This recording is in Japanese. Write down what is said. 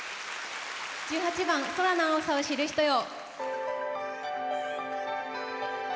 １８番「空の青さを知る人よ」。